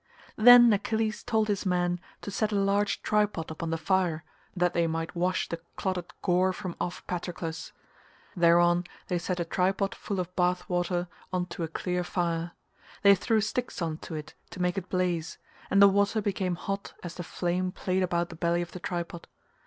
Then Achilles told his men to set a large tripod upon the fire that they might wash the clotted gore from off Patroclus. Thereon they set a tripod full of bath water on to a clear fire: they threw sticks on to it to make it blaze, and the water became hot as the flame played about the belly of the tripod.